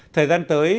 thời gian tới